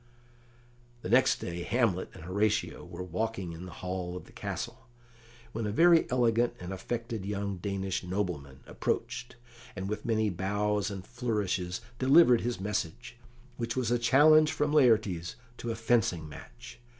The next day Hamlet and Horatio were walking in the hall of the castle, when a very elegant and affected young Danish nobleman approached, and, with many bows and flourishes, delivered his message, which was a challenge from Laertes to a fencing match.